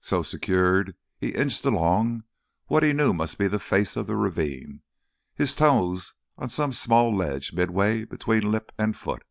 So secured, he inched along what he knew must be the face of the ravine, his toes on some small ledge midway between lip and foot.